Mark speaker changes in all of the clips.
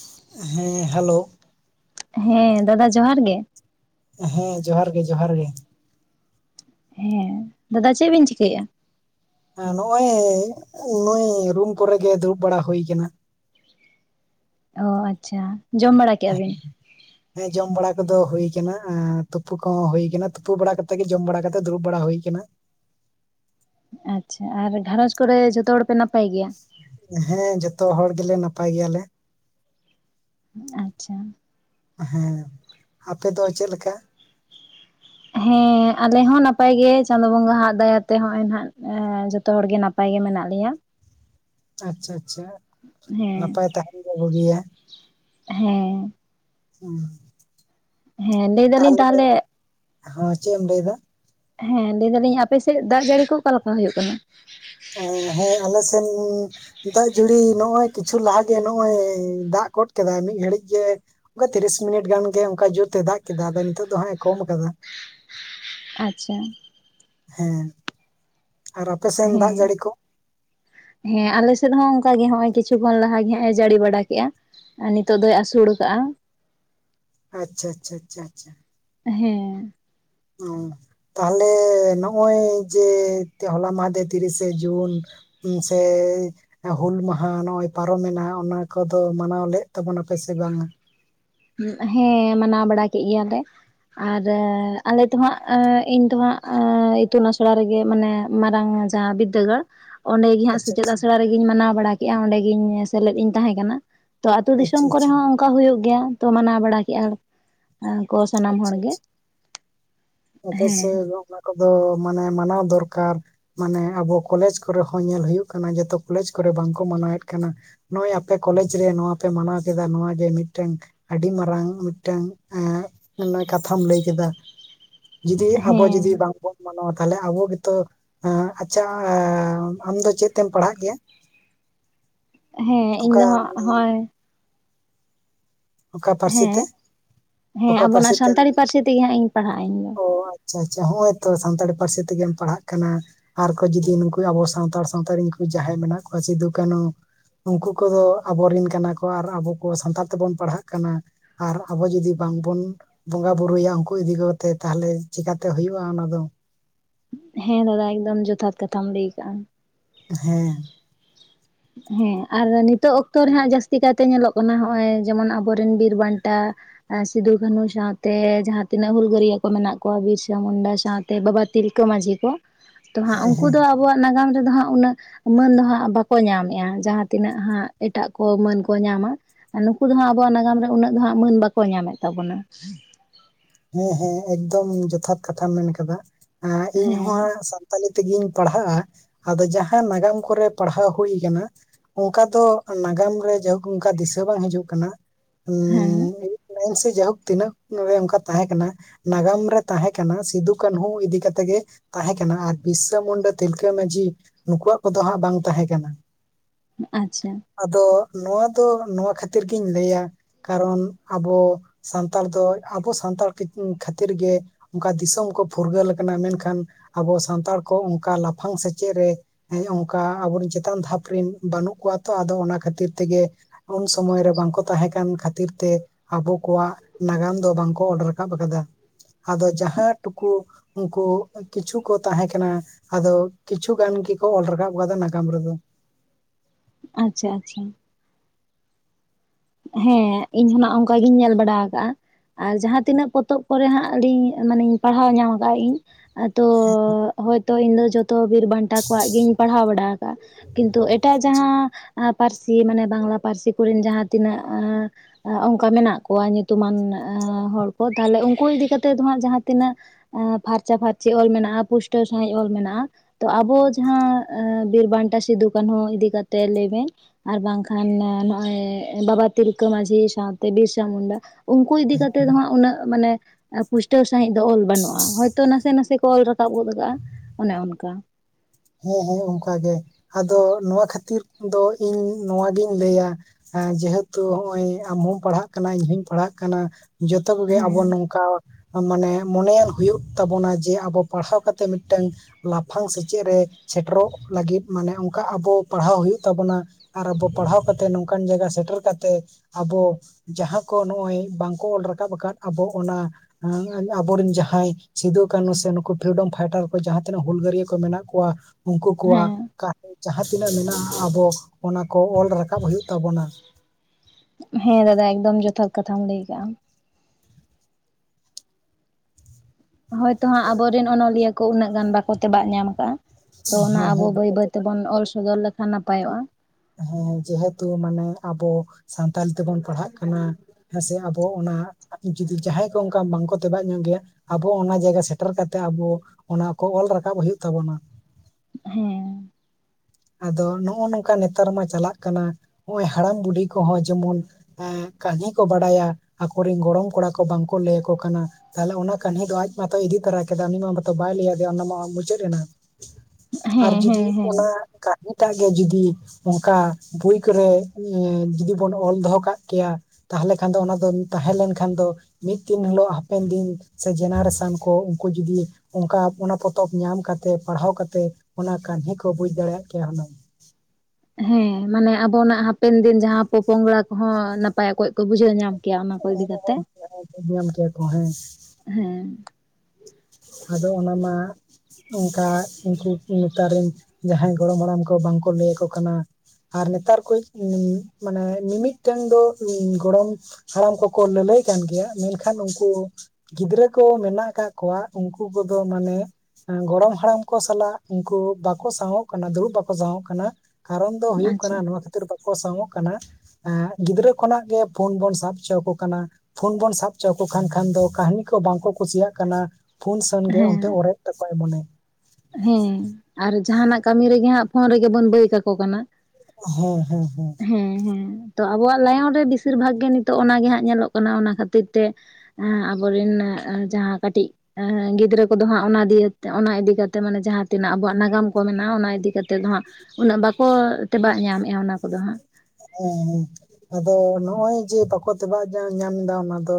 Speaker 1: [unintelligible] ᱦᱮᱸ ᱦᱮᱞᱚ
Speaker 2: ᱦᱮᱸ ᱫᱟᱫᱟ ᱡᱚᱦᱟᱨ ᱜᱮ
Speaker 1: ᱦᱮᱸ ᱡᱚᱦᱟᱨ ᱜᱮ ᱡᱚᱦᱟᱨ ᱜᱮ
Speaker 2: ᱦᱮᱸ ᱫᱟᱫᱟ ᱪᱮᱫ ᱵᱤᱱ ᱪᱤᱠᱟᱹᱭᱮᱫᱼᱟ?
Speaker 1: ᱱᱚᱜᱼᱚᱭ ᱱᱩᱭ ᱨᱩᱢ ᱠᱚᱨᱮ ᱜᱮ ᱫᱩᱲᱩᱵ ᱵᱟᱲᱟ ᱦᱩᱭ ᱟᱠᱟᱱᱟ᱾
Speaker 2: ᱚ ᱟᱪᱷᱟ ᱡᱚᱢ ᱵᱟᱲᱟ ᱠᱮᱫᱼᱟ ᱵᱤᱱ?
Speaker 1: ᱦᱮᱸ ᱡᱚᱢ ᱵᱟᱲᱟ ᱠᱚᱫᱚ ᱦᱩᱭ ᱟᱠᱟᱱᱟ ᱟᱨ ᱛᱩᱯᱩ ᱠᱚᱦᱚᱸ ᱦᱩᱭ ᱟᱠᱟᱱᱟ ᱛᱩᱯᱩ ᱵᱟᱲᱟ ᱠᱟᱛᱮᱜ ᱜᱮ ᱡᱚᱢ ᱵᱟᱲᱟ ᱠᱟᱛᱮᱜ ᱫᱩᱲᱩᱵ ᱵᱟᱲᱟ ᱦᱩᱭ ᱟᱠᱟᱱᱟ᱾
Speaker 2: ᱟᱪᱷᱟ ᱟᱨ ᱜᱷᱟᱨᱚᱡᱽ ᱠᱚᱨᱮ ᱡᱚᱛᱚ ᱦᱚᱲᱯᱮ ᱱᱟᱯᱟᱭ ᱜᱮᱭᱟ?
Speaker 1: ᱦᱮᱸ ᱡᱚᱛᱚ ᱦᱚᱲ ᱜᱮᱞᱮ ᱱᱟᱯᱟᱭ ᱜᱮᱭᱟᱞᱮ᱾
Speaker 2: ᱟᱪᱷᱟ
Speaker 1: ᱦᱮᱸ ᱟᱯᱮ ᱫᱚ ᱪᱮᱫ ᱞᱮᱠᱟ?
Speaker 2: ᱦᱮᱸ ᱟᱞᱮ ᱦᱚᱸ ᱱᱟᱯᱟᱭ ᱜᱮ ᱪᱟᱸᱫᱚ ᱵᱚᱸᱜᱟ ᱦᱟᱜ ᱫᱟᱭᱟᱛᱮ ᱦᱚᱸᱜᱼᱚᱭ ᱱᱟᱦᱟᱜ ᱡᱚᱛᱚ ᱦᱚᱲᱜᱮ ᱱᱟᱯᱼᱼ ᱯᱟᱭ ᱜᱮ ᱢᱮᱱᱟᱜ ᱞᱮᱭᱟ᱾
Speaker 1: ᱟᱪᱷᱟ ᱟᱪᱷᱟ
Speaker 2: ᱦᱮᱸ ᱦᱮᱸ
Speaker 1: ᱩᱸᱦ
Speaker 2: ᱦᱮᱸ ᱞᱟᱹᱭᱮᱫᱟᱞᱤᱧ ᱛᱟᱦᱞᱮᱼᱼ
Speaker 1: ᱦᱚᱸ ᱪᱮᱫ ᱮᱢ ᱞᱟᱹᱭᱮᱫᱟ?
Speaker 2: ᱦᱮᱸ ᱞᱟᱹᱭᱮᱫᱟᱞᱤᱧ ᱟᱯᱮᱥᱮᱫ ᱫᱟᱜ ᱡᱟᱹᱲᱤ ᱠᱚ ᱚᱠᱟᱞᱮᱠᱟ ᱦᱩᱭᱩᱜ ᱠᱟᱱᱟ?
Speaker 1: ᱮ ᱦᱮᱸ ᱟᱞᱮ ᱥᱮᱱᱼᱼ ᱫᱟᱜ ᱡᱟᱹᱲᱤ ᱱᱚᱜᱼᱚᱭ ᱠᱤᱪᱷᱩ ᱞᱟᱦᱟᱜᱮ ᱱᱚᱜᱼᱚᱭ ᱫᱟᱜ ᱜᱚᱫ ᱠᱮᱫᱟᱭ ᱢᱤᱫ ᱜᱷᱟᱹᱲᱤᱡ ᱜᱮᱼᱼ ᱚᱱᱠᱟ ᱛᱤᱨᱤᱥ ᱢᱤᱱᱤᱴ ᱜᱟᱱ ᱜᱮ ᱚᱱᱠᱟ ᱡᱩᱨ ᱛᱮ ᱫᱟᱜ ᱠᱮᱫᱟ ᱟᱫᱚ ᱱᱤᱛᱚᱜ ᱫᱚ ᱦᱟᱸᱜ ᱮ ᱠᱚᱢ ᱟᱠᱟᱫᱟ᱾
Speaker 2: ᱟᱪᱷᱟ
Speaker 1: ᱦᱮᱸ ᱟᱨ ᱟᱯᱮᱥᱮᱱ ᱫᱟᱜ
Speaker 2: ᱦᱮᱸ
Speaker 1: ᱡᱟᱹᱲᱤ ᱠᱚ?
Speaker 2: ᱦᱮᱸ ᱟᱞᱮ ᱥᱮᱫ ᱦᱚᱸ ᱚᱱᱠᱟᱜ ᱜᱮ ᱦᱚᱸᱜᱼᱚᱭ ᱠᱤᱪᱷᱩ ᱠᱷᱚᱱ ᱞᱟᱦᱟᱜᱮ ᱦᱟᱸᱜ ᱮ ᱡᱟᱹᱲᱤ ᱵᱟᱲᱟ ᱠᱮᱜᱼᱟ᱾ ᱟᱨ ᱱᱤᱛᱚᱜ ᱫᱚᱭ ᱟᱹᱥᱩᱲ ᱟᱠᱟᱜᱼᱟ᱾
Speaker 1: ᱟᱪᱷᱟ ᱟᱪᱷᱟ ᱟᱪᱷᱟ ᱟᱪᱷᱟ
Speaker 2: ᱦᱮᱸ
Speaker 1: ᱦᱚᱸ ᱛᱟᱦᱞᱮ ᱱᱚᱜᱼᱚᱭ ᱡᱮ ᱦᱚᱞᱟ ᱢᱟᱦᱫᱮᱨ ᱛᱤᱨᱤᱥᱮ ᱡᱩᱱᱼᱼ ᱤᱧ ᱥᱮᱡᱼᱼ ᱦᱩᱞ ᱢᱟᱦᱟ ᱱᱚᱜᱼᱚᱭ ᱯᱟᱨᱚᱢᱮᱱᱟ ᱚᱱᱟ ᱠᱚᱫᱚ ᱢᱟᱱᱟᱣ ᱞᱮᱫ ᱛᱟᱵᱚᱱᱟᱯᱮ ᱥᱮ ᱵᱟᱝᱟ?
Speaker 2: ᱦᱮᱸ ᱢᱟᱱᱟᱣ ᱵᱟᱲᱟ ᱠᱮᱜ ᱜᱮᱭᱟᱞᱮ᱾ ᱟᱨ ᱟᱞᱮ ᱫᱚ ᱦᱟᱸᱜ ᱤᱧ ᱫᱚ ᱦᱟᱸᱜ ᱤᱛᱩᱱ ᱟᱥᱲᱟ ᱨᱮᱜᱮ ᱢᱟᱱᱮ ᱢᱟᱨᱟᱝᱼᱼ ᱡᱟᱦᱟᱸ ᱵᱤᱨᱫᱟᱹᱜᱟᱲᱼᱼ ᱚᱸᱰᱮ ᱜᱮ ᱦᱟᱸᱜ
Speaker 1: ᱟᱪᱪᱷᱟ
Speaker 2: ᱥᱮᱪᱮᱫ
Speaker 1: ᱟᱪᱪᱷᱟ
Speaker 2: ᱟᱥᱲᱟ ᱨᱮᱜᱤᱧ ᱢᱟᱱᱟᱣ ᱵᱟᱲᱟ ᱠᱮᱜᱼᱟ ᱚᱸᱰᱮᱜᱤᱧ ᱥᱮᱞᱮᱫ ᱤᱧ ᱛᱟᱦᱮᱸ ᱠᱟᱱᱟ᱾ ᱛᱚ ᱟ ᱟᱹᱛᱩ ᱫᱤᱥᱚᱢ
Speaker 1: ᱟᱪᱪᱷᱟ
Speaker 2: ᱠᱚᱨᱮ
Speaker 1: ᱟᱪᱪᱷᱟ
Speaker 2: ᱦᱚᱸ ᱚᱱᱠᱟ ᱦᱩᱭᱩᱜ ᱜᱮᱭᱟ ᱛᱚ ᱢᱟᱱᱟᱣ ᱵᱟᱲᱟ ᱠᱮᱜᱼᱟ ᱞᱮ᱾ ᱮ ᱠᱚ ᱥᱟᱱᱟᱢ ᱦᱚᱲ ᱜᱮᱼᱼ
Speaker 1: ᱚᱵᱚᱥᱳᱭ ᱮᱵᱚᱝ ᱚᱱᱟ ᱠᱚᱫᱚ ᱢᱟᱱᱮ ᱢᱟᱱᱟᱣ ᱫᱚᱨᱠᱟᱨ᱾ ᱢᱟᱱᱮ ᱟᱵᱚ ᱠᱚᱞᱮᱡᱽ ᱠᱚᱨᱮ ᱦᱚᱸ ᱧᱮᱞ ᱦᱩᱭᱩᱜ ᱠᱟᱱᱟ ᱡᱚᱛᱚ ᱠᱚᱞᱮᱡᱽ ᱠᱚᱨᱮᱜ ᱵᱟᱝᱠᱚ ᱢᱟᱱᱟᱣᱮᱫ ᱠᱟᱱᱟ᱾ ᱱᱚᱜᱚᱭ ᱟᱯᱮ ᱠᱚᱞᱮᱡᱽ ᱨᱮ ᱱᱚᱣᱟ ᱯᱮ ᱢᱟᱱᱟᱣ ᱠᱮᱫᱟ ᱱᱚᱣᱟ ᱜᱮ ᱢᱤᱫᱴᱟᱝ ᱟᱹᱰᱤ ᱢᱟᱨᱟᱝ ᱢᱤᱫᱴᱟᱝᱼᱼ ᱮ ᱱᱚᱜᱼᱚᱭ ᱠᱟᱛᱷᱟᱢ ᱞᱟᱹᱭ ᱠᱮᱫᱟ ᱡᱩᱫᱤ ᱟᱵᱚ
Speaker 2: ᱦᱮᱸ
Speaker 1: ᱡᱩᱫᱤ ᱵᱟᱝ ᱵᱚᱱᱼᱼ ᱢᱟᱱᱟᱣᱟ ᱛᱟᱦᱞᱮ ᱟᱵᱚ ᱜᱮᱛᱚ ᱟᱪᱪᱷᱟ ᱟᱢ ᱫᱚ ᱪᱮᱫ ᱛᱮᱢ ᱯᱟᱲᱦᱟᱜ ᱜᱮᱭᱟ?
Speaker 2: ᱦᱮᱸ ᱤᱧ
Speaker 1: ᱚᱠᱟ
Speaker 2: ᱫᱚᱜ ᱦᱟᱸᱜ
Speaker 1: ᱢᱟᱱᱮ
Speaker 2: ᱦᱚᱸᱭᱼᱼ
Speaker 1: ᱚᱠᱟ ᱯᱟᱹᱨᱥᱤ
Speaker 2: ᱦᱮᱸ
Speaker 1: ᱛᱮ
Speaker 2: ᱦᱮᱸ
Speaker 1: ᱚᱠᱟ ᱯᱟᱹᱨᱥᱤ
Speaker 2: ᱟᱵᱚᱱᱟᱜ
Speaker 1: ᱛᱮᱢ
Speaker 2: ᱥᱟᱱᱛᱟᱲᱤ ᱯᱟᱹᱨᱥᱤ ᱛᱮᱜᱮ ᱦᱟᱸᱜ ᱤᱧ ᱯᱟᱲᱦᱟᱜᱼᱟ ᱤᱧ ᱫᱚ
Speaker 1: ᱚᱻ ᱟᱪᱪᱷᱟ ᱟᱪᱪᱷᱟ ᱦᱚᱸᱜᱼᱚᱭ ᱛᱚ ᱥᱟᱱᱛᱟᱲᱤ ᱯᱟᱹᱨᱥᱤ ᱛᱮᱜᱮᱢ ᱯᱟᱲᱦᱟᱜ ᱠᱟᱱᱟ᱾ ᱟᱨ ᱠᱚ ᱡᱩᱫᱤ ᱱᱩᱠᱩ ᱟᱵᱚ ᱥᱟᱱᱛᱟᱲ ᱥᱟᱶᱛᱟ ᱨᱮᱱᱠᱩ ᱡᱟᱦᱟᱸᱭ ᱢᱮᱱᱟᱜ ᱠᱚᱣᱟ ᱥᱤᱫᱩᱼᱠᱟᱹᱱᱦᱩ ᱩᱱᱠᱩ ᱠᱚᱫᱚ ᱟᱵᱚᱨᱮᱱ ᱠᱟᱱᱟ ᱠᱚ ᱟᱨ ᱟᱵᱚ ᱠᱚ ᱥᱟᱱᱛᱟᱲ ᱛᱮᱵᱚᱱ ᱯᱟᱲᱦᱟᱜᱼᱼ ᱠᱟᱱᱟ ᱟᱨ ᱟᱵᱚ ᱡᱩᱫᱤ ᱵᱟᱝ ᱵᱚᱱᱼᱼ ᱵᱚᱸᱜᱟ ᱵᱩᱨᱩᱭᱟ ᱩᱱᱠᱩ ᱤᱫᱤ ᱠᱚᱛᱮ ᱛᱟᱦᱚᱞᱮ ᱪᱤᱠᱟᱛᱮ ᱦᱩᱭᱩᱜᱼᱟ ᱚᱱᱟ ᱫᱚ
Speaker 2: ᱦᱮᱸ ᱫᱟᱫᱟ ᱮᱠᱫᱚᱢ ᱡᱚᱛᱷᱟᱛ ᱠᱟᱛᱷᱟᱢ ᱞᱟᱹᱭ ᱟᱠᱟᱜᱼᱟ᱾
Speaker 1: ᱦᱮᱸ
Speaker 2: ᱦᱮᱸ ᱟᱨ ᱱᱤᱛᱚᱜ ᱚᱠᱛᱚ ᱨᱮ ᱦᱟᱸᱜ ᱡᱟᱹᱥᱛᱤ ᱠᱟᱭᱛᱮ ᱧᱮᱞᱚᱜ ᱠᱟᱱᱟ ᱱᱚᱜᱼᱚᱭ ᱡᱮᱢᱚᱱ ᱟᱵᱚᱨᱮᱱ ᱵᱤᱨ ᱵᱟᱱᱴᱟᱼᱼ ᱟᱨ ᱥᱤᱫᱩ ᱠᱟᱹᱱᱦᱩ ᱥᱟᱶᱛᱮ ᱡᱟᱦᱟᱸ ᱛᱤᱱᱟᱹᱜ ᱦᱩᱞᱜᱟᱹᱨᱭᱟᱹ ᱠᱚ ᱢᱮᱱᱟᱜ ᱠᱚᱣᱟ ᱵᱤᱨᱥᱟ ᱢᱩᱱᱰᱟ ᱥᱟᱶᱛᱮᱼᱼ ᱛᱮ ᱵᱟᱵᱟ ᱛᱤᱞᱠᱟᱹ ᱢᱟᱺᱡᱷᱤ ᱠᱚᱼᱼ ᱛᱚ ᱦᱟᱸᱜ
Speaker 1: ᱦᱮᱸ
Speaker 2: ᱩᱱᱠᱩ
Speaker 1: ᱦᱮᱸ
Speaker 2: ᱫᱚ ᱟᱵᱚᱣᱟᱜ ᱱᱟᱜᱟᱢ ᱨᱮᱫᱚ ᱦᱟᱸᱜ ᱩᱱᱟᱹᱜ ᱢᱟᱹᱱ ᱫᱚ ᱦᱟᱸᱜ ᱵᱟᱠᱚᱼᱼ ᱠᱚ ᱧᱟᱢᱮᱜᱼᱟ ᱡᱟᱦᱟᱸ ᱛᱤᱱᱟᱹᱜ ᱦᱟᱸᱜ ᱮᱴᱟᱜ ᱠᱚ ᱢᱟᱹᱱ ᱠᱚ ᱧᱟᱢᱟ᱾ ᱱᱩᱠᱩ ᱫᱚ ᱦᱟᱸᱜ ᱟᱵᱚᱣᱟᱜ ᱱᱟᱜᱟᱢ ᱨᱮ ᱩᱱᱟᱹᱜ ᱫᱚ ᱦᱟᱸᱜ ᱢᱟᱹᱱ ᱵᱟᱠᱚ ᱧᱟᱢᱮᱫ ᱛᱟᱵᱚᱱᱟ᱾
Speaker 1: ᱦᱮᱸ ᱦᱮᱸ ᱮᱠᱫᱚᱢ ᱡᱚᱛᱷᱟᱛ ᱠᱟᱛᱷᱟᱢ ᱢᱮᱱ ᱟᱠᱟᱫᱟ ᱤᱧ
Speaker 2: ᱦᱮᱸ
Speaker 1: ᱦᱚᱸᱼᱼ ᱥᱟᱱᱛᱟᱞᱤ ᱛᱮᱜᱤᱧ ᱯᱟᱲᱦᱟᱜᱼᱟ ᱟᱫᱚ ᱡᱟᱦᱟᱸ ᱱᱟᱜᱟᱢ ᱠᱚᱨᱮ ᱯᱟᱲᱦᱟᱣ ᱦᱩᱭ ᱟᱠᱟᱱᱟ᱾ ᱚᱱᱠᱟ ᱫᱚ ᱱᱟᱜᱟᱢ ᱨᱮ ᱡᱟᱭᱦᱳᱠ ᱚᱱᱠᱟ ᱫᱤᱥᱟᱹ ᱵᱟᱝ ᱦᱤᱡᱩᱜ ᱠᱟᱱᱟ᱾
Speaker 2: ᱦᱮᱸ
Speaker 1: ᱦᱮ ᱥᱮ ᱡᱟᱭᱦᱳᱠ ᱛᱤᱱᱟᱹᱜ ᱚᱱᱠᱟ᱾ ᱛᱟᱦᱮᱸ ᱠᱟᱱᱟ ᱱᱟᱜᱟᱢ ᱨᱮ ᱛᱟᱦᱮᱸ ᱠᱟᱱᱟ ᱥᱤᱫᱩ ᱠᱟᱹᱱᱦᱩ ᱤᱫᱤ ᱠᱟᱛᱮᱜ ᱜᱮᱼᱼ ᱛᱟᱦᱮᱸ ᱠᱟᱱᱟ ᱟᱨ ᱵᱤᱨᱥᱟᱹ ᱢᱩᱱᱰᱟᱹ ᱛᱤᱞᱠᱟᱹ ᱢᱟᱺᱡᱷᱤ ᱱᱩᱠᱩᱣᱟᱜ ᱠᱚᱫᱚ ᱦᱟᱸᱜ ᱵᱟᱝ ᱛᱟᱦᱮᱸ ᱠᱟᱱᱟ᱾
Speaker 2: ᱟᱪᱪᱷᱟ
Speaker 1: ᱟᱫᱚ ᱱᱚᱣᱟ ᱫᱚ ᱱᱚᱣᱟ ᱠᱷᱟᱹᱛᱤᱨ ᱜᱤᱧ ᱞᱟᱹᱭᱟᱼᱼ ᱠᱟᱨᱚᱱ ᱟᱵᱚ ᱥᱟᱱᱛᱟᱞ ᱫᱚ ᱟᱵᱚ ᱥᱟᱱᱛᱟᱲ ᱠᱷᱟᱹᱛᱤᱨ ᱜᱮᱼᱼ ᱚᱱᱠᱟ ᱫᱤᱥᱚᱢ ᱠᱚ ᱯᱷᱩᱨᱜᱟᱹᱞ ᱠᱟᱱᱟ ᱢᱮᱱᱠᱷᱟᱱ ᱟᱵᱚ ᱥᱟᱱᱛᱟᱲ ᱠᱚ ᱚᱱᱠᱟ ᱞᱟᱯᱷᱟᱝ ᱥᱮᱪᱮᱫ ᱨᱮᱼᱼ ᱮ ᱚᱱᱠᱟ ᱟᱵᱚᱨᱮᱱ ᱪᱮᱛᱟᱱ ᱫᱷᱟᱯ ᱨᱮᱱ ᱵᱟᱹᱱᱩᱜ ᱠᱚᱣᱟ ᱛᱚ ᱟᱫᱚ ᱚᱱᱟ ᱠᱷᱟᱹᱛᱤᱨ ᱛᱮᱜᱮᱼᱼ ᱩᱱ ᱥᱚᱢᱚᱭ ᱨᱮ ᱵᱟᱝᱠᱚ ᱛᱟᱦᱮᱸ ᱠᱟᱱ ᱠᱷᱟᱹᱛᱤᱨ ᱛᱮ ᱟᱵᱚ ᱠᱚᱣᱟᱜ ᱱᱟᱜᱟᱢ ᱫᱚ ᱵᱟᱝ ᱠᱚᱼᱼ ᱠᱚ ᱚᱞ ᱨᱟᱠᱟᱵ ᱟᱠᱟᱫᱟ ᱟᱫᱚ ᱡᱟᱦᱟᱸ ᱴᱩᱠᱩ ᱩᱱᱠᱩᱼᱼ ᱠᱤᱪᱷᱩ ᱠᱚ ᱛᱟᱦᱮᱸ ᱠᱟᱱᱟ ᱟᱫᱚ ᱠᱤᱪᱷᱩ ᱜᱟᱱ ᱜᱮᱠᱚ ᱚᱞ ᱨᱟᱠᱟᱵ ᱟᱠᱟᱫᱟ ᱱᱟᱜᱟᱢ ᱨᱮᱫᱚᱼᱼ
Speaker 2: ᱟᱪᱪᱷᱟ ᱟᱪᱪᱷᱟ ᱦᱮᱸ ᱤᱧ ᱦᱚᱸ ᱱᱟᱜ ᱚᱱᱠᱟ ᱜᱤᱧ ᱧᱮᱞ ᱵᱟᱲᱟ ᱟᱠᱟᱜᱼᱟ᱾ ᱟᱨ ᱡᱟᱦᱟᱸ ᱛᱤᱱᱟᱹᱜ ᱯᱚᱛᱚᱵᱽ ᱠᱚᱨᱮ ᱦᱟᱸᱜ ᱞᱤᱧ ᱢᱟᱱᱮ ᱯᱟᱲᱦᱟᱣ ᱧᱟᱢ ᱟᱠᱟᱫ ᱤᱧ ᱛᱚᱼᱼ
Speaker 1: ᱦᱮᱸ
Speaker 2: ᱦᱳᱭᱛᱚ ᱤᱧ ᱫᱚ ᱡᱚᱛᱚ ᱵᱤᱨ ᱵᱟᱱᱴᱟ ᱠᱚᱣᱟᱜ ᱜᱮᱤᱧᱼᱼ ᱯᱟᱲᱦᱟᱣ ᱵᱟᱲᱟ ᱟᱠᱟᱜᱼᱟ ᱠᱤᱱᱛᱩ ᱮᱴᱟᱜ ᱡᱟᱦᱟᱸ ᱯᱟᱹᱨᱥᱤ ᱢᱟᱱᱮ ᱵᱟᱝᱞᱟ ᱯᱟᱹᱨᱥᱤ ᱠᱚᱨᱮᱱ ᱡᱟᱦᱟᱸᱼᱼ ᱛᱤᱱᱟᱹᱜ ᱚᱱᱠᱟ ᱢᱮᱱᱟᱜ ᱠᱚᱣᱟ ᱧᱩᱛᱩᱢᱟᱱ ᱦᱚᱲ ᱠᱚ ᱛᱟᱦᱞᱮ ᱩᱱᱠᱩ ᱤᱫᱤ ᱠᱟᱛᱮᱜ ᱫᱚ ᱦᱟᱸᱜ ᱡᱟᱦᱟᱸᱛᱤᱱᱟᱹᱜᱼᱼ ᱯᱷᱟᱨᱪᱟᱼ ᱯᱷᱟᱨᱪᱤ ᱚᱞ ᱢᱮᱱᱟᱜᱼᱟ ᱯᱩᱥᱴᱟᱹᱣ ᱥᱟᱺᱦᱤᱡ ᱚᱞ ᱢᱮᱱᱟᱜᱼᱟ᱾ ᱛᱚ ᱟᱵᱚ ᱡᱟᱦᱟᱸ ᱵᱤᱨ ᱵᱟᱱᱴᱟ ᱥᱤᱫᱩ ᱠᱟᱹᱱᱦᱩ ᱤᱫᱤ ᱠᱟᱛᱮ ᱞᱟᱹᱭᱵᱤᱱ, ᱟᱨ ᱵᱟᱝᱠᱷᱟᱸᱱᱱ ᱱᱚᱜᱼᱚᱭ, ᱮᱸ ᱵᱟᱵᱟ ᱛᱤᱞᱠᱟᱹ ᱢᱟᱺᱡᱷᱤ ᱥᱟᱶᱛᱮ ᱵᱤᱨᱥᱟᱹ ᱢᱩᱱᱰᱟᱹ ᱩᱱᱠᱩ ᱤᱫᱤ ᱠᱟᱛᱮ ᱫᱚ ᱦᱟᱸᱜ ᱩᱱᱟᱹᱜ ᱢᱟᱱᱮ ᱮᱸ ᱯᱩᱥᱴᱟᱹᱣ ᱥᱟᱺᱦᱤᱡ ᱫᱚ ᱚᱞ ᱵᱟᱹᱱᱩᱜᱼᱟ, ᱦᱚᱭ ᱛᱳ ᱱᱟᱥᱮ ᱱᱟᱥᱮ ᱠᱚ ᱚᱞ ᱨᱟᱠᱟᱵ ᱜᱚᱫ ᱟᱠᱟᱫᱼᱟ ᱚᱱᱮ ᱚᱱᱠᱟ᱾
Speaker 1: ᱦᱮᱸ ᱦᱮᱸ ᱚᱸᱠᱟ ᱜᱮ ᱟᱫᱚ ᱱᱚᱣᱟ ᱠᱷᱟᱹᱛᱤᱨᱠ ᱫᱚ ᱤᱧ ᱱᱚᱣᱟ ᱜᱤᱧ ᱞᱟᱹᱭᱼᱟ, ᱮᱸ ᱡᱮᱦᱮᱛᱩ ᱦᱚᱸᱜᱼᱚᱭ ᱟᱢᱦᱚᱸᱢ ᱯᱟᱲᱦᱟᱜ ᱠᱟᱱᱟ ᱤᱧ ᱦᱩᱸᱧ ᱯᱟᱲᱦᱟᱜ ᱠᱟᱱᱟ ᱡᱚᱛᱚ ᱠᱚᱜᱮ ᱟᱵᱚ
Speaker 2: ᱦᱮᱸ
Speaker 1: ᱱᱚᱝᱠᱟ ᱦᱚᱭ ᱢᱟᱱᱮ ᱢᱚᱱᱮᱭᱟᱱ ᱦᱩᱭᱩᱜ ᱛᱟᱵᱚᱱᱟ ᱡᱮ ᱟᱵᱚ ᱯᱟᱲᱦᱟᱣ ᱠᱟᱛᱮ ᱢᱤᱫᱴᱟᱹᱝ ᱞᱟᱯᱷᱟᱝ ᱥᱮᱪᱮᱫ ᱨᱮ ᱥᱮᱴᱮᱨᱚᱜ ᱞᱟᱹᱜᱤᱫ ᱢᱟᱱᱮ ᱚᱸᱠᱟ ᱟᱵᱚ ᱯᱟᱲᱦᱟᱣ ᱦᱩᱭᱩᱜ ᱛᱟᱵᱚᱱᱟ, ᱟᱨ ᱟᱵᱚ ᱯᱟᱲᱦᱟᱣ ᱠᱟᱛᱮ ᱱᱚᱝᱠᱟᱱ ᱡᱟᱭᱜᱟ ᱥᱮᱴᱮᱨ ᱠᱟᱛᱮ ᱟᱵᱚ ᱡᱟᱦᱟᱸ ᱠᱚ ᱱᱚᱜᱼᱚᱭ ᱵᱟᱝᱠᱚ ᱚᱞ ᱨᱟᱠᱟᱵ ᱟᱠᱟᱫ ᱟᱵᱚ ᱚᱱᱟ ᱟᱸ ᱟᱡ ᱟᱵᱚᱨᱤᱱ ᱡᱟᱦᱟᱸᱭ ᱥᱤᱫᱩ ᱠᱟᱹᱱᱩ ᱥᱮ ᱱᱩᱠᱩ ᱯᱷᱤᱨᱤᱰᱚᱢ ᱯᱷᱟᱭᱴᱟᱨ ᱠᱚ ᱡᱟᱦᱟᱸ ᱛᱤᱱᱟᱹᱜ ᱦᱩᱞᱜᱟᱹᱨᱤᱭᱟᱹ ᱠᱚ ᱢᱮᱱᱟᱜ ᱠᱚᱣᱟ ᱩᱸᱠᱩ ᱠᱚᱣᱟᱜ
Speaker 2: ᱦᱮᱸ
Speaker 1: ᱠᱟ [inaudible] ᱡᱟᱦᱟᱸ ᱛᱤᱱᱟᱹᱜ ᱢᱮᱱᱟᱜᱼᱟ ᱟᱵᱚ ᱚᱱᱟ ᱠᱚ ᱚᱞ ᱨᱟᱠᱟᱵ ᱦᱩᱭᱩᱜ ᱛᱟᱵᱚᱱᱟ᱾
Speaker 2: ᱮᱸᱯ ᱦᱮᱸ ᱫᱟᱫᱟ ᱮᱠᱫᱚᱢ ᱡᱚᱛᱷᱟᱛ ᱠᱟᱛᱷᱟᱢ ᱞᱟᱹᱭ ᱟᱠᱟᱜᱼᱟᱢ, ᱦᱳᱭᱛᱚ ᱦᱟᱸᱜ ᱟᱵᱚᱨᱤᱱ ᱚᱱᱚᱞᱤᱭᱟᱹ ᱠᱚ ᱩᱱᱟᱹᱜ ᱜᱟᱱ ᱵᱟᱠᱚ ᱛᱮᱵᱟᱜ ᱧᱟᱢ ᱟᱠᱟᱜᱼᱟ, ᱛᱚ ᱚᱱᱟ
Speaker 1: ᱦᱮᱸ
Speaker 2: ᱟᱵᱚ
Speaker 1: ᱦᱮᱸ
Speaker 2: ᱵᱟᱹᱭ
Speaker 1: ᱵᱟᱠᱚ
Speaker 2: ᱵᱟᱹᱭ
Speaker 1: ᱪᱟᱵᱟᱜ
Speaker 2: ᱛᱮᱵᱚᱱ ᱚᱞ ᱥᱚᱫᱚᱨ ᱞᱮᱠᱷᱟᱱ ᱱᱟᱯᱟᱭᱚᱜᱼᱟ᱾
Speaker 1: ᱦᱮᱸ ᱦᱮᱸ ᱡᱮᱦᱮᱛᱩ ᱢᱟᱱᱮ ᱟᱵᱚ ᱥᱟᱱᱛᱟᱞᱤ ᱛᱮᱵᱚᱱ ᱯᱟᱲᱦᱟᱜ ᱠᱟᱱᱟ, ᱦᱮᱸ ᱥᱮ ᱟᱵᱚ ᱚᱱᱟᱜ ᱡᱩᱫᱤ ᱡᱟᱦᱟᱸᱭ ᱠᱚ ᱚᱸᱠᱟ ᱵᱟᱝ ᱠᱚ ᱛᱮᱵᱟᱜ ᱧᱚᱸᱜᱽᱼᱮᱜᱼᱟ, ᱟᱵᱚ ᱚᱱᱟ ᱡᱟᱭᱜᱟ ᱥᱮᱴᱮᱨ ᱠᱟᱛᱮ ᱟᱵᱚ ᱚᱱᱟ ᱠᱚ ᱚᱞ ᱨᱟᱠᱟᱵ ᱦᱩᱭᱩᱜ ᱛᱟᱵᱚᱱᱟ᱾
Speaker 2: ᱩᱸᱯ ᱦᱮᱸ,
Speaker 1: ᱟᱫᱚ ᱱᱚᱜᱼᱚ ᱱᱚᱝᱠᱟ ᱱᱮᱛᱟᱨ ᱢᱟ ᱪᱟᱞᱟᱜ ᱠᱟᱱᱟ ᱱᱚᱜ-ᱚᱭ ᱦᱟᱲᱟᱢ ᱵᱩᱰᱷᱤ ᱠᱚᱦᱚᱸ ᱡᱮᱢᱚᱱ ᱮᱸ ᱠᱟᱹᱦᱱᱤ ᱠᱚ ᱵᱟᱰᱟᱭᱟ ᱟᱠᱚ ᱨᱤᱱ ᱜᱚᱲᱚᱢ ᱠᱚᱲᱟ ᱠᱚ ᱵᱟᱝᱠᱚ ᱞᱟᱹᱭ ᱟᱠᱚ ᱠᱟᱱᱟ, ᱛᱟᱦᱮᱞᱮ ᱚᱱᱟ ᱠᱟᱹᱱᱦᱤ ᱫᱚ ᱟᱡ ᱢᱟᱛᱚ ᱤᱫᱤ ᱛᱟᱨᱟ ᱠᱮᱫᱟ, ᱩᱱᱤᱢᱟ ᱢᱟᱛᱚ ᱵᱟᱭ ᱞᱟᱹᱭ ᱟᱫ ᱫᱮᱭᱟ ᱚᱱᱟ ᱢᱟ ᱢᱩᱪᱟᱹᱫ ᱮᱱᱟ᱾
Speaker 2: ᱩᱸᱜ, ᱦᱮᱸ ᱦᱮᱸ ᱦᱮᱸ᱾
Speaker 1: ᱠᱟᱹᱦᱱᱤ ᱴᱟᱜ ᱜᱮ ᱡᱩᱫᱤ ᱚᱸᱠᱟ ᱵᱩᱭ ᱠᱚᱨᱮ ᱩᱸ ᱡᱩᱫᱤ ᱵᱚᱱ ᱚᱞ ᱫᱚᱦᱚ ᱠᱟᱜ ᱠᱮᱭᱟ ᱛᱟᱦᱚᱞᱮ ᱠᱷᱟᱱ ᱫᱚ ᱚᱱᱟ ᱫᱚᱢ ᱛᱟᱦᱮᱸ ᱞᱮᱱᱠᱷᱟᱱ ᱫᱚ, ᱢᱤᱫ ᱫᱤᱱ ᱦᱤᱞᱳᱜ ᱦᱟᱯᱮᱱ ᱫᱤᱱ, ᱥᱮ ᱡᱮᱱᱟ ᱨᱮᱥᱟᱱ ᱠᱚ ᱩᱸᱠᱩ ᱡᱩᱫᱤ ᱚᱱᱠᱟᱵ ᱚᱱᱟ ᱯᱚᱛᱚᱵ ᱧᱟᱢ ᱠᱟᱛᱮ ᱯᱟᱲᱦᱟᱣ ᱠᱟᱛᱮ ᱚᱱᱟ ᱠᱟᱱᱦᱤ ᱠᱚ ᱵᱩᱡᱽ ᱫᱟᱲᱮᱭᱟᱫ ᱠᱮᱭᱟ ᱦᱩᱱᱟᱹᱝ᱾
Speaker 2: ᱦᱮᱸ ᱢᱟᱱᱮ ᱟᱵᱚᱱᱟᱜ ᱦᱟᱯᱮᱱ ᱫᱤᱱ ᱡᱟᱦᱟᱸ ᱯᱚ ᱯᱚᱝᱜᱽᱲᱟ ᱠᱚᱦᱚᱸ ᱱᱟᱯᱟᱭ ᱚᱠᱚᱡ ᱠᱚ ᱵᱩᱡᱷᱟᱹᱣ ᱧᱟᱢ ᱠᱮᱭᱟ ᱚᱱᱟ ᱠᱚ ᱤᱫᱤ ᱠᱟᱛᱮᱜ,
Speaker 1: ᱧᱟᱢ ᱠᱮᱭᱟ ᱠᱚ ᱦᱮᱸ
Speaker 2: ᱦᱮᱸ᱾
Speaker 1: ᱟᱫᱚ ᱚᱱᱟ ᱱᱟᱜ ᱚᱸᱠᱟ ᱩᱱᱠᱩ ᱱᱮᱛᱟᱨ ᱨᱤᱱ ᱡᱟᱦᱟᱸᱭ ᱜᱚᱲᱚᱢ ᱦᱟᱲᱟᱢ ᱠᱚ ᱵᱟᱝ ᱠᱚ ᱞᱟᱹᱭ ᱟᱠᱚ ᱠᱟᱱᱟ ᱟᱨ ᱱᱮᱛᱟᱨ ᱠᱚᱭᱤᱡ ᱩᱸ ᱢᱟᱱᱮ ᱢᱤᱢᱤᱫᱴᱟᱹᱝ ᱫᱚ ᱩᱸ ᱜᱚᱲᱚᱢ ᱦᱟᱲᱟᱢ ᱠᱚᱠᱚ ᱞᱟᱹᱞᱟᱹᱭ ᱠᱟᱱ ᱜᱮᱭᱟ, ᱢᱮᱱᱠᱷᱟᱱ ᱩᱸᱠᱩ ᱜᱤᱫᱽᱨᱟᱹ ᱠᱚ ᱢᱮᱱᱟᱜ ᱟᱠᱟᱜ ᱠᱚᱣᱟ ᱩᱱᱠᱩ ᱠᱚᱫᱚ ᱢᱟᱱᱮ ᱮᱸ ᱜᱚᱲᱚᱢ ᱦᱟᱲᱟᱢ ᱠᱚ ᱥᱟᱞᱟᱜ ᱩᱸᱠᱩ ᱵᱟᱠᱚ ᱥᱟᱶᱼᱚᱜ ᱠᱟᱱᱟ ᱫᱩᱲᱩᱵ ᱵᱟᱠᱚ ᱥᱟᱶᱼᱚᱜ ᱠᱟᱱᱟ, ᱠᱟᱨᱚᱱ ᱫᱚ ᱦᱩᱭᱩᱜ ᱠᱟᱱᱟ
Speaker 2: ᱟᱪᱪᱷᱟ
Speaker 1: ᱱᱚᱣᱟ ᱠᱷᱟᱹᱛᱤᱨ ᱵᱟᱠᱚ ᱥᱟᱶᱼᱚᱜ ᱠᱟᱱᱟ, ᱮᱸᱜ ᱜᱤᱫᱽᱨᱟᱹ ᱠᱷᱚᱱᱟᱜ ᱜᱮ ᱯᱷᱳᱱ ᱵᱚᱱ ᱥᱟᱵ ᱚᱪᱚ ᱟᱠᱚ ᱠᱟᱱᱟ, ᱯᱷᱳᱱ ᱵᱚᱱ ᱥᱟᱵ ᱚᱪᱚ ᱟᱠᱚ ᱠᱷᱟᱱ ᱠᱷᱟᱱ ᱫᱚ ᱠᱟᱦᱱᱤ ᱠᱚ ᱵᱟᱝ ᱠᱚ ᱠᱩᱥᱤᱭᱟᱜ ᱠᱟᱱᱟ, ᱯᱷᱳᱱ ᱥᱮᱱ ᱜᱮ ᱚᱱᱛᱮ
Speaker 2: ᱦᱮᱸ
Speaker 1: ᱚᱨᱮᱫ ᱛᱟᱠᱚ ᱣᱟᱭ ᱢᱚᱱᱮ᱾
Speaker 2: ᱦᱮᱸ ᱟᱨ ᱡᱟᱦᱟᱸᱱᱟᱜ ᱠᱟᱹᱢᱤ ᱨᱮᱜᱮ ᱦᱟᱸᱜ ᱯᱷᱳᱱ ᱨᱮᱜᱮ ᱵᱚᱱ ᱵᱟᱹᱭ ᱠᱟᱠᱚ ᱠᱟᱱᱟ᱾
Speaker 1: ᱦᱮᱸ, ᱦᱮᱸ ᱦᱮᱸ ᱦᱩᱸ᱾
Speaker 2: ᱦᱩᱸ ᱦᱩᱸ ᱛᱚ ᱟᱵᱚᱣᱟᱜ ᱞᱟᱹᱭ ᱚᱸᱰᱮ ᱵᱤᱥᱤᱨ ᱵᱷᱟᱜᱽ ᱜᱮ ᱱᱤᱛᱚᱜ ᱚᱱᱟᱜᱮ ᱦᱟᱸᱜ ᱧᱮᱞᱚᱜ ᱠᱟᱱᱟ ᱚᱱᱟ ᱠᱷᱟᱹᱛᱤᱨ ᱛᱮ ᱮᱸ ᱟᱵᱚ ᱨᱤᱱ ᱮᱸ ᱡᱟᱦᱟᱸ ᱠᱟᱹᱴᱤᱡ ᱮᱸ ᱜᱤᱫᱽᱨᱟᱹ ᱠᱚᱫᱚ ᱦᱟᱸᱜ ᱚᱱᱟ ᱫᱤᱭᱟᱹᱻᱛᱮ, ᱚᱱᱟ ᱤᱫᱤ ᱠᱟᱛᱮ ᱢᱟᱱᱮ ᱡᱟᱦᱟᱸ ᱛᱤᱱᱟᱹᱜ ᱟᱵᱚᱣᱟᱜ ᱱᱟᱜᱽᱼᱟᱢ ᱠᱚ ᱢᱮᱱᱟᱜᱼᱟ ᱚᱱᱟ ᱤᱫᱤ ᱠᱟᱛᱮ ᱫᱚ ᱦᱟᱸᱜ ᱩᱱᱟᱹᱜ ᱵᱟᱠᱚ ᱛᱮᱵᱟᱜ ᱧᱟᱢᱮᱫᱼᱟ ᱚᱱᱟ ᱠᱚᱫᱚ ᱦᱟᱸᱜ᱾
Speaker 1: ᱦᱮᱸ ᱦᱮᱸ ᱟᱫᱚ ᱱᱚᱜᱼᱚᱭ ᱡᱮ ᱵᱟᱠᱚ ᱛᱮᱵᱟᱜ ᱧᱟᱢᱫᱟ ᱚᱱᱟ ᱫᱚ,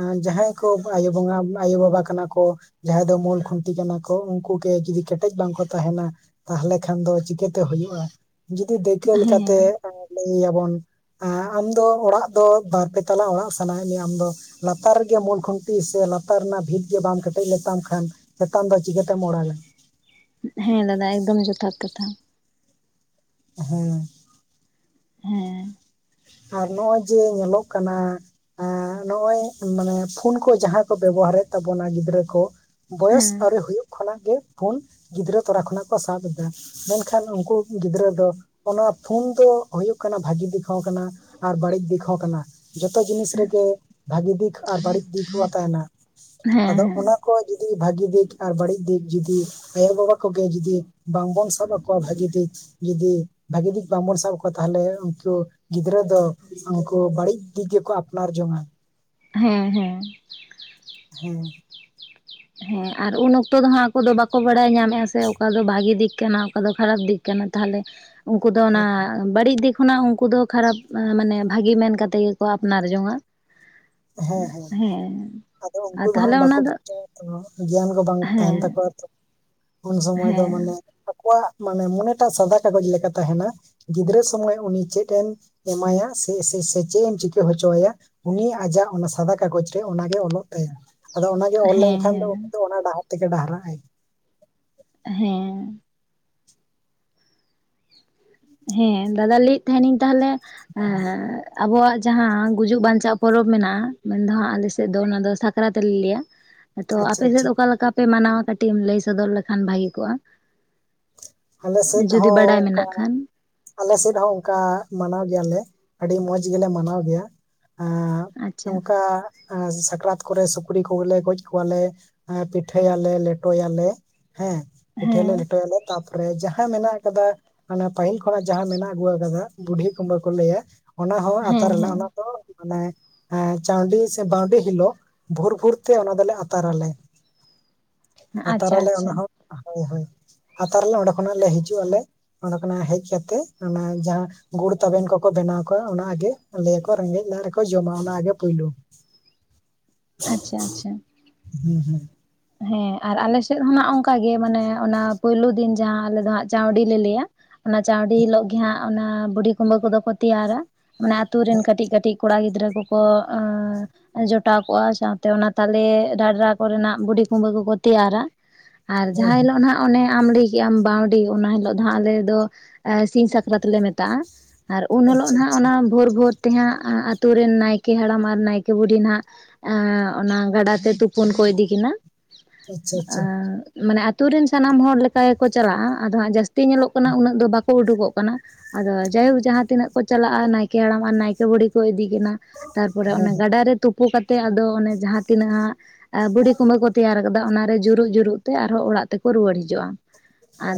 Speaker 1: ᱮᱸ ᱡᱟᱦᱟᱸᱭ ᱠᱚ ᱟᱭᱳ ᱵᱚᱸᱜᱟ ᱟᱭᱳᱼᱵᱟᱵᱟ ᱠᱟᱱᱟ ᱠᱚ᱾ ᱡᱟᱦᱟᱸᱭ ᱫᱚ ᱢᱩᱞ ᱠᱷᱩᱱᱴᱤ ᱠᱟᱱᱟ ᱠᱚ ᱩᱱᱠᱩ ᱜᱮ ᱡᱩᱫᱤ ᱠᱮᱴᱮᱡ ᱵᱟᱝ ᱠᱚ ᱛᱟᱦᱮᱱᱟ᱾ ᱛᱟᱦᱚᱞᱮ ᱠᱷᱟᱱ ᱫᱚ ᱪᱤᱠᱟᱹᱛᱮ ᱦᱩᱭᱩᱜᱼᱟ ᱡᱩᱫᱤ ᱫᱟᱹᱭᱠᱟᱹ
Speaker 2: ᱦᱮᱸ
Speaker 1: ᱞᱮᱠᱟᱛᱮ ᱞᱟᱹᱭᱟᱵᱚᱱ, ᱮᱸᱜ ᱟᱢ ᱫᱚ ᱚᱲᱟᱜ ᱫᱚ ᱵᱟᱨᱯᱮ ᱛᱟᱞᱟ ᱚᱲᱟᱜ ᱥᱟᱱᱟᱭᱮᱫ ᱢᱮᱭᱟ ᱟᱢ ᱫᱚ᱾ ᱞᱟᱛᱟᱨ ᱨᱮᱜᱮ ᱢᱩᱞ ᱠᱷᱩᱱᱴᱤ ᱥᱮ ᱞᱟᱛᱟᱨ ᱨᱮᱱᱟᱜ ᱵᱷᱤᱛ ᱜᱮ ᱵᱟᱢ ᱠᱮᱴᱮᱡ ᱞᱮᱛᱟᱢ ᱠᱷᱟᱱ? ᱪᱮᱛᱟᱱ ᱫᱚ ᱪᱤᱠᱟᱹᱛᱮᱢ ᱚᱲᱟᱜᱟ᱾
Speaker 2: ᱦᱮᱸ ᱫᱟᱫᱟ ᱮᱠᱫᱚᱢ ᱡᱚᱛᱷᱟᱛ ᱠᱟᱛᱷᱟ᱾
Speaker 1: ᱦᱮᱸ,
Speaker 2: ᱦᱮᱸ,
Speaker 1: ᱟᱨ ᱱᱚᱜᱼᱚᱭ ᱡᱮ ᱧᱮᱞᱚᱜ ᱠᱟᱱᱟ? ᱮᱸᱜ ᱱᱚᱜᱼᱚᱭ ᱢᱟᱱᱮ ᱯᱷᱳᱱ ᱠᱚ ᱡᱟᱦᱟᱸ ᱠᱚ ᱵᱮᱵᱚᱦᱟᱨᱮᱫ ᱛᱟᱵᱚᱱᱟ ᱜᱤᱫᱽᱨᱟᱹ ᱠᱚ, ᱵᱚᱭᱚᱥ
Speaker 2: ᱦᱮᱸ
Speaker 1: ᱟᱹᱣᱨᱤ ᱦᱩᱭᱩᱜ ᱠᱷᱚᱱᱟᱜ ᱜᱮ ᱯᱷᱳᱱ ᱜᱤᱫᱽᱨᱟᱹ ᱛᱚᱨᱟ ᱠᱷᱚᱱᱟᱜ ᱠᱚ ᱥᱟᱵ ᱮᱫᱟ᱾ ᱢᱮᱱᱠᱷᱟᱱ ᱩᱱᱠᱩ ᱜᱤᱫᱽᱨᱟᱹ ᱫᱚ ᱚᱱᱟ ᱯᱷᱩᱱ ᱫᱚ ᱦᱩᱭᱩᱜ ᱠᱟᱱᱟ ᱵᱷᱟᱹᱜᱤ ᱫᱤᱠ ᱦᱚᱸ ᱠᱟᱱᱟ᱾ ᱟᱨ ᱵᱟᱹᱲᱤᱡ ᱫᱤᱠ ᱦᱚᱸ ᱠᱟᱱᱟ᱾ ᱡᱷᱚᱛᱚ ᱡᱤᱱᱤᱥ ᱨᱮᱜᱮ ᱵᱷᱟᱹᱜᱤ ᱫᱤᱠ ᱟᱨ ᱵᱟᱹᱲᱤᱡ ᱫᱤᱠ ᱠᱚᱦᱚᱸ ᱛᱟᱦᱮᱱᱟ
Speaker 2: ᱦᱮᱸ
Speaker 1: ᱟᱫᱚ
Speaker 2: ᱦᱮᱸ
Speaker 1: ᱚᱱᱟ ᱟᱠᱚᱣᱟᱜ ᱡᱩᱫᱤ ᱵᱷᱟᱜᱤ ᱫᱤᱠ ᱟᱨ ᱵᱟᱹᱲᱤᱡ ᱫᱤᱠ ᱡᱩᱫᱤ, ᱟᱭᱳᱼᱵᱟᱵᱟ ᱠᱚᱜᱮ ᱡᱩᱫᱤ ᱵᱟᱝᱵᱚᱱ ᱥᱟᱵ ᱟᱠᱚᱣᱟ ᱵᱷᱟᱹᱜᱤ ᱫᱤᱠ, ᱡᱩᱫᱤ ᱵᱷᱟᱜᱤ ᱫᱤᱠ ᱵᱟᱝᱵᱚᱱ ᱥᱟᱵ ᱟᱠᱚᱣᱟ ᱛᱟᱦᱚᱞᱮ ᱩᱱᱠᱩ ᱜᱤᱫ ᱜᱤᱫᱽᱨᱟᱹ ᱫᱚ ᱩᱱᱠᱩ ᱵᱟᱹᱲᱤᱡ ᱫᱤᱠ ᱜᱮᱠᱚ ᱟᱯᱱᱟᱨ ᱡᱚᱝ-ᱟ᱾
Speaker 2: ᱦᱮᱸ ᱦᱮᱸ᱾
Speaker 1: ᱦᱮᱸ᱾
Speaker 2: ᱦᱮᱸ ᱟᱨ ᱩᱱ ᱚᱠᱛᱚ ᱫᱚ ᱦᱟᱸᱜ ᱟᱠᱚ ᱫᱚ ᱵᱟᱠᱚ ᱵᱟᱲᱟᱭ ᱧᱟᱢᱮᱫᱼᱟ ᱥᱮ ᱚᱠᱟ ᱫᱚ ᱵᱷᱟᱜᱤ ᱫᱤᱠ ᱠᱟᱱᱟ᱾ ᱚᱠᱟ ᱫᱚ ᱠᱷᱟᱨᱟᱯ ᱫᱤᱠ ᱠᱟᱱᱟ ᱛᱟᱦᱚᱞᱮ ᱩᱱᱠᱩ ᱫᱚ ᱚᱱᱟ
Speaker 1: ᱦᱮᱸ
Speaker 2: ᱟᱸ ᱵᱟᱹᱲᱤᱡ ᱫᱤᱠ ᱦᱚᱸ ᱱᱟᱜ ᱩᱱᱠᱩ ᱫᱚ ᱠᱷᱟᱨᱟᱯ ᱢᱟᱱᱮ ᱵᱷᱟᱜᱤ ᱢᱮᱱ ᱠᱟᱛᱮᱫ ᱜᱮᱠᱚ ᱟᱯᱱᱟᱨ ᱡᱚᱝᱼᱟ᱾ ᱦᱮᱸᱜ ᱦᱮᱸ
Speaker 1: ᱟᱫᱚ
Speaker 2: ᱟᱨ
Speaker 1: ᱩᱱᱠᱩ ᱫᱚ
Speaker 2: ᱛᱟᱦᱚᱞᱮ
Speaker 1: ᱦᱟᱸᱜ
Speaker 2: ᱚᱱᱟ
Speaker 1: ᱵᱟᱠᱚ
Speaker 2: ᱫᱚ,
Speaker 1: ᱵᱩᱡᱟ ᱛᱚ ᱜᱮᱭᱟᱱ ᱠᱚ ᱵᱟᱝ ᱛᱟᱦᱮᱱ
Speaker 2: ᱦᱮᱸ
Speaker 1: ᱛᱟᱠᱚᱣᱟ ᱛᱚ, ᱩᱱ ᱥᱚᱢᱚᱭ ᱫᱚ
Speaker 2: ᱦᱮᱸ
Speaker 1: ᱢᱟᱱᱮ, ᱟᱠᱚᱣᱟᱜ ᱢᱟᱱᱮ ᱢᱚᱱᱮᱴᱟᱜ ᱥᱟᱫᱟ ᱠᱟᱜᱚᱡᱽ ᱞᱮᱠᱟ ᱛᱟᱦᱮᱱᱟ ᱜᱤᱫᱽᱨᱟᱹ ᱥᱚᱢᱚᱭ ᱩᱱᱤ ᱪᱮᱫ ᱮᱢ ᱮᱢᱟᱭᱟ ᱥᱮ ᱥᱮᱥᱮ ᱥᱮ ᱪᱮᱫ ᱮᱢ ᱪᱤᱠᱟᱹ ᱦᱚᱪᱚ ᱟᱭᱟ ᱩᱱᱤ ᱟᱡᱟᱜ ᱚᱱᱟ ᱥᱟᱫᱟ ᱠᱟᱜᱚᱡᱽ ᱨᱮ ᱚᱱᱟᱜᱮ ᱚᱞᱚᱜ ᱛᱟᱭᱟ ᱟᱫᱚ ᱚᱱᱟᱜᱮ ᱚᱞ
Speaker 2: ᱦᱮᱸ
Speaker 1: ᱞᱮᱱᱠᱷᱟᱱ ᱫᱚ
Speaker 2: ᱦᱮᱸ
Speaker 1: ᱩᱱᱤ ᱫᱚ ᱚᱱᱟ ᱰᱟᱦᱟᱨ ᱛᱮᱜᱮ ᱰᱟᱦᱟᱨᱟᱜ ᱟᱭ᱾
Speaker 2: ᱦᱮᱸ, ᱦᱮᱸ ᱫᱟᱫᱟ ᱞᱟᱹᱭᱮᱫ ᱛᱟᱦᱮᱱᱤᱧ ᱛᱟᱦᱞᱮ ᱮᱸ ᱟᱵᱚᱣᱟᱜ ᱡᱟᱦᱟᱸ ᱜᱩᱡᱩᱜ ᱵᱟᱧᱪᱟᱜ ᱯᱚᱨᱚᱵᱽ ᱢᱮᱱᱟᱜᱼᱟ ᱢᱮᱱ ᱫᱚ ᱦᱟᱸᱜ ᱟᱞᱮᱥᱮᱫ ᱫᱚ ᱚᱱᱟ ᱫᱚ ᱥᱟᱠᱨᱟᱛ ᱞᱮ ᱞᱮᱭᱟ᱾ ᱛᱚ
Speaker 1: ᱟᱪᱪᱷᱟ
Speaker 2: ᱟᱯᱮ ᱥᱮᱫ
Speaker 1: ᱟᱪᱪᱷᱟ
Speaker 2: ᱚᱠᱟ ᱞᱮᱠᱟ ᱯᱮ ᱢᱟᱱᱟᱣᱟ ᱠᱟᱹᱴᱤᱡ ᱮᱢ ᱞᱟᱹᱭ ᱥᱚᱫᱚᱨ ᱞᱮᱠᱷᱟᱱ ᱵᱷᱟᱜᱤ ᱠᱚᱜᱼᱟ᱾
Speaker 1: ᱟᱞᱮ ᱥᱮᱫ
Speaker 2: ᱡᱩᱫᱤ
Speaker 1: ᱦᱚᱸ
Speaker 2: ᱵᱟᱰᱟᱭ
Speaker 1: ᱚᱱᱠᱟ
Speaker 2: ᱢᱮᱱᱟᱜ ᱠᱷᱟᱱ?
Speaker 1: ᱟᱞᱮ ᱥᱮᱫ ᱦᱚᱸ ᱚᱱᱠᱟ ᱢᱟᱱᱟᱣ ᱜᱮᱭᱟᱞᱮ ᱟᱹᱰᱤ ᱢᱚᱸᱡᱽ ᱜᱮᱞᱮ ᱢᱟᱱᱟᱣ ᱜᱮᱭᱟ ᱟᱸ
Speaker 2: ᱟᱪᱪᱷᱟ
Speaker 1: ᱱᱚᱝᱠᱟ ᱟᱸ ᱥᱟᱠᱨᱟᱛ ᱠᱚᱨᱮ ᱥᱩᱠᱨᱤ ᱠᱚᱜᱮᱞᱮ ᱜᱚᱡ ᱠᱚᱣᱟᱞᱮ ᱟᱸ ᱯᱤᱴᱷᱟᱹᱭᱟᱞᱮ ᱞᱮᱴᱚᱭᱟᱞᱮ᱾ ᱦᱮᱸ ᱯᱤᱴᱟᱹᱭ ᱟᱞᱮ
Speaker 2: ᱦᱮᱸ
Speaker 1: ᱞᱮᱴᱚᱭ ᱟᱞᱮ ᱛᱟᱯ ᱛᱟᱯᱚᱨᱮ ᱡᱟᱦᱟᱸ ᱢᱮᱱᱟᱜ ᱠᱟᱫᱟ ᱦᱟᱱᱟ ᱞᱟᱹᱦᱤᱞ ᱠᱷᱚᱱᱟᱜ ᱡᱟᱦᱟᱸ ᱢᱮᱱᱟᱜ ᱟᱹᱜᱩ ᱟᱠᱟᱫᱟ ᱵᱩᱰᱷᱤ ᱠᱩᱢᱵᱟᱹ ᱠᱚ ᱞᱟᱹᱭᱟ, ᱚᱱᱟ ᱦᱚᱸ
Speaker 2: ᱦᱮᱸ
Speaker 1: ᱟᱛᱟᱨᱟᱞᱮ ᱚᱱᱟ
Speaker 2: ᱦᱮᱸ
Speaker 1: ᱫᱚ, ᱢᱟᱱᱮ ᱮᱸ ᱪᱟᱣᱰᱤ ᱥᱮ ᱵᱟᱣᱰᱤ ᱦᱤᱞᱳᱜ ᱵᱷᱳᱨ ᱵᱷᱳᱨ ᱛᱮ ᱚᱱᱟ ᱫᱚᱞᱮ ᱟᱛᱟᱨᱟᱞᱮ᱾
Speaker 2: [inaudible]
Speaker 1: ᱟᱨ
Speaker 2: ᱟᱪᱪᱷᱟ
Speaker 1: ᱛᱟᱨᱟᱞᱮ
Speaker 2: ᱟᱪᱪᱷᱟ
Speaker 1: ᱚᱱᱟ ᱦᱚᱸ ᱦᱳᱭ ᱦᱳᱭ ᱾ ᱟᱛᱟᱨᱟᱞᱮ ᱚᱸᱰᱮ ᱠᱷᱚᱱᱟᱜ ᱞᱮ ᱦᱤᱡᱩᱜ ᱟᱞᱮ ᱚᱸᱰᱮ ᱠᱷᱚᱱᱟᱜ ᱦᱮᱡ ᱠᱟᱛᱮ ᱚᱱᱟ ᱡᱟᱦᱟᱸ, ᱜᱩᱲ ᱛᱟᱵᱮᱱ ᱠᱚᱠᱚ ᱵᱮᱱᱟᱣ ᱠᱟᱜᱼᱟ ᱚᱱᱟ ᱜᱮ ᱞᱟᱹᱭᱟᱠᱚ ᱨᱮᱸᱜᱮᱡ ᱞᱟᱡ ᱨᱮᱠᱚ ᱡᱚᱢᱟ ᱚᱱᱟ ᱜᱮ ᱯᱩᱭᱞᱩ ᱾
Speaker 2: ᱟᱪᱪᱷᱟ ᱟᱪᱪᱷᱟ
Speaker 1: ᱦᱩᱸ ᱦᱩᱸᱻ
Speaker 2: ᱦᱮᱸ ᱟᱨ ᱟᱞᱮᱥᱮᱫ ᱦᱚᱸ ᱱᱷᱟᱜ ᱚᱱᱠᱟ ᱜᱮ ᱢᱟᱱᱮ ᱚᱱᱟ ᱯᱩᱭᱞᱩ ᱫᱤᱱ ᱡᱟᱦᱟᱸ ᱟᱞᱮ ᱫᱚ ᱦᱟᱸᱜ ᱪᱟᱹᱣᱰᱤ ᱞᱮ ᱞᱟᱹᱭᱟ ᱾ ᱚᱱᱟ ᱪᱟᱶᱰᱤ ᱦᱤᱞᱳᱜ ᱜᱮᱦᱟᱸᱜ ᱚᱱᱟ ᱵᱩᱰᱷᱤ ᱠᱩᱢᱵᱟᱹ ᱠᱚᱫᱚ ᱠᱚ ᱛᱮᱭᱟᱨᱟ ᱢᱟᱱᱮ ᱟᱹᱛᱩ ᱨᱤᱱ ᱠᱟᱹᱴᱤᱡ ᱠᱟᱹᱴᱤᱡ, ᱠᱚᱲᱟ ᱜᱤᱫᱽᱨᱟᱹ ᱠᱚᱠᱚ ᱮᱸᱻ ᱡᱚᱴᱟᱣ ᱠᱚᱜᱼᱟ ᱥᱟᱶᱛᱮ ᱚᱱᱟ ᱛᱟᱞᱮ ᱰᱷᱟᱰᱨᱟ ᱠᱚᱨᱮᱱᱟᱜ ᱵᱩᱰᱷᱤ ᱠᱩᱢᱵᱟᱹ ᱠᱚᱠᱚ ᱛᱮᱭᱟᱨᱟ ᱟᱨ
Speaker 1: ᱦᱮᱸ
Speaker 2: ᱡᱟᱦᱟᱸ
Speaker 1: ᱦᱮᱸ
Speaker 2: ᱦᱤᱞᱚᱜ ᱱᱷᱟᱜ, ᱚᱱᱮ ᱟᱢ ᱞᱟᱹᱭ ᱠᱮᱜ ᱟᱢ ᱵᱟᱺᱣᱰᱤ ᱚᱱᱟ ᱦᱤᱞᱚᱜ ᱫᱚ ᱦᱟᱸᱜ ᱟᱞᱮ ᱫᱚ ᱥᱤᱧ ᱥᱟᱠᱨᱟᱛ ᱞᱮ ᱢᱮᱛᱟᱜᱼᱟ ᱾ ᱟᱨ ᱩᱱ ᱦᱤᱞᱚᱜ
Speaker 1: ᱟᱪᱪᱷᱟ
Speaker 2: ᱱᱷᱟᱜ
Speaker 1: ᱟᱪᱪᱷᱟ
Speaker 2: ᱚᱱᱟ ᱵᱷᱳᱨ ᱵᱷᱳᱨ ᱛᱮᱦᱟᱸᱜ ᱟᱹᱛᱳ ᱨᱮᱱ ᱱᱟᱭᱠᱮ ᱦᱟᱲᱟᱢ ᱟᱨ ᱱᱟᱭᱠᱮ ᱵᱩᱰᱷᱤ ᱱᱷᱟᱜ, ᱮᱸᱻ ᱚᱱᱟ ᱜᱟᱰᱟᱛᱮ ᱛᱩᱯᱩᱱ ᱠᱚ ᱤᱫᱤᱠᱤᱱᱟ ᱾
Speaker 1: ᱟᱪᱪᱷᱟ ᱟᱪᱪᱷᱟ
Speaker 2: ᱮᱸᱻ ᱢᱟᱱᱮ ᱟᱹᱛᱩ ᱨᱮᱱ ᱥᱟᱱᱟᱢ ᱦᱚᱲ ᱞᱮᱠᱟ ᱜᱮᱠᱚ ᱪᱟᱞᱟᱜᱼᱟ ᱟᱫᱚ ᱦᱟᱸᱜ ᱡᱟᱹᱥ ᱛᱤ ᱧᱮᱞᱚᱜ ᱠᱟᱱᱟ ᱩᱱᱟᱹᱜ ᱫᱚ [unintelligible] ᱠᱚ ᱩᱰᱩᱠᱚᱜ ᱠᱟᱱᱟ ᱟᱫᱚ ᱡᱟᱭᱦᱳᱠ ᱡᱟᱦᱟᱸ ᱛᱤᱱᱟᱹᱜ ᱠᱚ ᱪᱟᱞᱟᱜᱼᱟ ᱱᱟᱭᱠᱮ ᱦᱟᱲᱟᱢ ᱟᱨ ᱱᱟᱭᱠᱮ ᱵᱩᱰᱷᱤ ᱠᱚ ᱤᱫᱤᱠᱤᱱᱟ ᱾ ᱛᱟᱨᱯᱚᱨᱮ
Speaker 1: ᱦᱮᱸ
Speaker 2: ᱚᱱᱮ
Speaker 1: ᱦᱮᱸ
Speaker 2: ᱜᱟᱰᱟᱨᱮ ᱛᱩᱯᱩ ᱠᱟᱛᱮ ᱟᱫᱚ ᱚᱱᱮ ᱡᱟᱦᱟᱸ ᱛᱤᱱᱟᱹᱜ ᱦᱟᱸᱜ ᱵᱩᱰᱷᱤ ᱠᱩᱢᱵᱟᱹ ᱠᱚ, ᱛᱮᱭᱟᱨ ᱟᱠᱟᱫᱟ ᱚᱱᱟᱨᱮ ᱡᱩᱨᱩᱜ ᱡᱩᱨᱩᱜ ᱛᱮ ᱟᱨᱦᱚᱸ ᱚᱲᱟᱜ ᱛᱮᱠᱚ ᱨᱩᱣᱟᱹᱲ ᱦᱤᱡᱩᱜᱼᱟ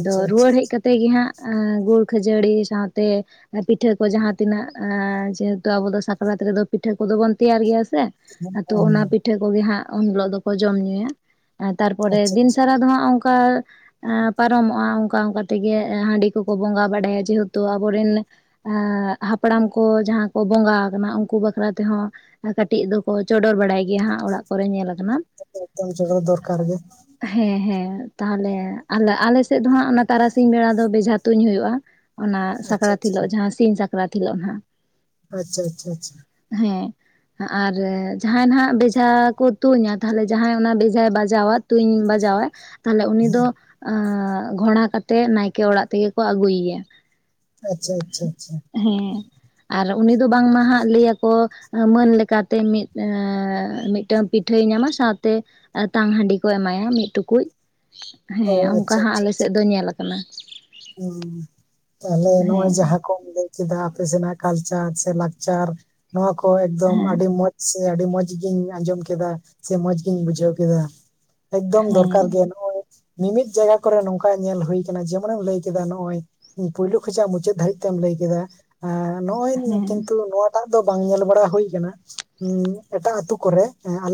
Speaker 1: ᱟᱪᱪᱷᱟ ᱟᱪᱪᱷᱟ ᱟᱪᱪᱷᱟ
Speaker 2: ᱨᱩᱣᱟᱹᱲ ᱦᱮᱡ ᱠᱟᱛᱮ ᱾ ᱛᱮᱜᱮ ᱦᱟᱸᱜ ᱜᱩᱲ ᱠᱷᱟᱹᱡᱟᱹᱲᱤ ᱥᱟᱶᱛᱮ, ᱯᱤᱴᱷᱟᱹ ᱠᱚ ᱡᱟᱦᱟᱸ ᱛᱤᱱᱟᱹᱜ ᱡᱮᱦᱮᱛᱩ ᱟᱵᱚ ᱫᱚ ᱥᱟᱠᱨᱟᱛ ᱨᱮᱫᱚ ᱯᱤᱴᱷᱟᱹ ᱠᱚᱫᱚ ᱵᱚᱱ ᱛᱮᱭᱟᱨ ᱜᱮᱭᱟ ᱥᱮ
Speaker 1: ᱦᱮᱸ
Speaker 2: ᱾ ᱛᱚ ᱚᱱᱟ
Speaker 1: ᱦᱮᱸ
Speaker 2: ᱯᱤᱴᱷᱟᱹ ᱠᱚᱜᱮ ᱦᱟᱸᱜ ᱩᱱ ᱦᱤᱞᱚᱜ ᱫᱚᱠᱚ ᱡᱚᱢ ᱧᱩᱭᱟ ᱾ ᱛᱟᱨᱯᱚᱨᱮ
Speaker 1: ᱟᱪᱪᱷᱟ
Speaker 2: ᱫᱤᱱ
Speaker 1: ᱟᱪᱪᱷᱟ
Speaker 2: ᱥᱟᱨᱟ ᱫᱚ ᱦᱟᱸᱜ ᱚᱱᱠᱟ, ᱟᱸᱻ ᱯᱟᱨᱚᱢᱚᱜᱼᱟ ᱚᱱᱠᱟ ᱚᱱᱠᱟ ᱛᱮᱜᱮ ᱦᱟᱺᱰᱤ ᱠᱚᱠᱚ ᱵᱚᱸᱜᱟ ᱵᱟᱲᱟᱭᱟ ᱡᱮᱦᱮᱛᱩ ᱟᱵᱚᱨᱮᱱ, ᱟᱸᱻ ᱦᱟᱯᱲᱟᱢ ᱠᱚ ᱡᱟᱦᱟᱸ ᱠᱚ ᱵᱚᱸᱜᱟ ᱟᱠᱟᱱᱟ ᱩᱱᱠᱩ ᱵᱟᱠᱷᱨᱟ ᱛᱮᱦᱚᱸ, ᱠᱟᱹᱴᱤᱡ ᱫᱚᱠᱚ ᱪᱚᱰᱚᱨ ᱵᱟᱲᱟᱭ ᱜᱮᱭᱟ ᱦᱟᱸᱜ ᱚᱲᱟᱜ ᱠᱚᱨᱮ ᱧᱮᱞ ᱟᱠᱟᱱᱟ ᱾
Speaker 1: [unintelligible] ᱪᱚᱰᱚᱨ ᱫᱚᱨᱠᱟᱨ ᱜᱮ ᱾
Speaker 2: ᱦᱮᱸ ᱦᱮᱸ ᱛᱟᱦᱚᱞᱮ ᱟᱞᱮ ᱟᱞᱮ ᱥᱮᱫ ᱫᱚ ᱦᱟᱸᱜ ᱚᱱᱟ ᱛᱟᱨᱟᱥᱤᱧ ᱵᱮᱲᱟ ᱫᱚ ᱵᱮᱡᱷᱟ ᱛᱩᱧ ᱦᱩᱭᱩᱜᱼᱟ ᱾ ᱚᱱᱟ
Speaker 1: ᱟᱪᱪᱷᱟ ᱟᱪᱪᱷᱟ
Speaker 2: ᱥᱟᱠᱨᱟᱛ ᱦᱤᱞᱚᱜ ᱡᱟᱦᱟᱸ ᱥᱤᱧ ᱥᱟᱠᱨᱟᱛ ᱦᱤᱞᱚᱜ ᱦᱟᱸᱜ ᱾
Speaker 1: ᱟᱪᱪᱷᱟ ᱟᱪᱪᱷᱟ ᱟᱪᱪᱷᱟ ᱾
Speaker 2: ᱦᱮᱸ ᱟᱨ ᱡᱟᱦᱟᱸᱭ ᱱᱷᱟᱜ ᱵᱮᱡᱷᱟ ᱠᱚ ᱛᱩᱧᱟ ᱛᱟᱦᱚᱞᱮ ᱡᱟᱦᱟᱸᱭ, ᱚᱱᱟ ᱵᱮᱡᱷᱟᱭ ᱵᱟᱡᱟᱣᱟ ᱛᱩᱧ ᱵᱟᱡᱟᱣᱟᱭ ᱛᱟᱦᱞᱮ ᱩᱱᱤ ᱫᱚ,
Speaker 1: ᱦᱮᱸ
Speaker 2: ᱟᱸᱻ ᱜᱷᱚᱲᱟ ᱠᱟᱛᱮᱜ ᱱᱟᱭᱠᱮ ᱚᱲᱟᱜ ᱛᱮᱜᱮ ᱠᱚ ᱟᱹᱜᱩᱭᱮᱭᱟ ᱾
Speaker 1: ᱟᱪᱪᱷᱟ ᱟᱪᱪᱷᱟ ᱟᱪᱪᱷᱟ
Speaker 2: ᱦᱮᱸ ᱟᱨ ᱩᱱᱤ ᱫᱚ ᱵᱟᱝᱢᱟ ᱦᱟᱸᱜ ᱞᱟᱹᱭ ᱟᱠᱚ, ᱢᱟᱹᱱ ᱞᱮᱠᱟᱛᱮ ᱢᱤᱫ ᱟᱸᱻ ᱢᱤᱫᱴᱟᱹᱱ ᱯᱤᱴᱷᱟᱹᱭ ᱧᱟᱢᱟ ᱥᱟᱶᱼᱼ ᱛᱮ ᱛᱟᱝ ᱦᱟᱺᱰᱤ ᱠᱚ ᱮᱢᱟᱭᱟ ᱢᱤᱫ ᱴᱩᱠᱩᱡ
Speaker 1: ᱚ
Speaker 2: ᱦᱮᱸ ᱚᱱᱠᱟ ᱦᱟᱸᱜ ᱟᱞᱮᱥᱮᱫ ᱫᱚ ᱧᱮᱞ ᱟᱠᱟ ᱠᱟᱱᱟ ᱾
Speaker 1: ᱦᱩᱸᱻ ᱛᱟᱦᱚᱞᱮ ᱱᱚᱜᱼᱚᱭ
Speaker 2: ᱦᱮᱸ
Speaker 1: ᱡᱟᱦᱟᱸ, ᱠᱚᱢ ᱞᱟᱹᱭ ᱠᱮᱫᱟ ᱟᱯᱮ ᱥᱮᱱᱟᱜ ᱠᱟᱞᱪᱟᱨ ᱥᱮ ᱞᱟᱠᱪᱟᱨ ᱱᱚᱣᱟ ᱠᱚ ᱮᱠᱫᱚᱢ
Speaker 2: ᱦᱮᱸ
Speaker 1: ᱟᱹᱰᱤ ᱢᱚᱡᱽ, ᱥᱮ ᱟᱹᱰᱤ ᱢᱚᱸᱡᱽ ᱜᱤᱧ ᱟᱸᱡᱚᱢ ᱠᱮᱫᱟ ᱥᱮ ᱢᱚᱸᱡᱽ ᱜᱤᱧ ᱵᱩᱡᱷᱟᱹᱣ ᱠᱮᱫᱟ ᱾ ᱮᱠᱫᱚᱢ ᱫᱚᱨᱠᱟᱨ
Speaker 2: ᱦᱮᱸ
Speaker 1: ᱜᱮᱭᱟ ᱱᱚᱜᱼᱚᱭ ᱢᱤᱢᱤᱫ ᱡᱟᱭᱜᱟ ᱠᱚᱨᱮ ᱱᱚᱝᱠᱟ ᱧᱮᱞ ᱦᱩᱭ ᱟᱠᱟᱱᱟ ᱡᱮᱢᱚᱱ ᱮᱢ ᱞᱟᱹᱭ ᱠᱮ ᱠᱮᱫᱟ ᱱᱚᱜᱼᱚᱭ ᱯᱩᱭᱞᱩ ᱠᱷᱚᱡᱟᱜ ᱢᱩᱪᱟᱹᱫ ᱫᱷᱟᱹᱨᱤᱡ ᱛᱮᱢ ᱞᱟᱹᱭ ᱠᱮᱫᱟ ᱱᱚᱜᱼᱚᱭ
Speaker 2: ᱦᱮᱸ
Speaker 1: ᱠᱤᱱᱛᱩ ᱱᱚᱣᱟ, ᱱᱮᱛᱟᱨ ᱫᱚ ᱵᱟᱝ ᱧᱮᱞ ᱵᱟᱲᱟ ᱦᱩᱭ ᱟᱠᱟᱱᱟ ᱮᱴᱟᱜ ᱟᱹᱛᱩ ᱠᱚᱨᱮ ᱟᱞᱮ,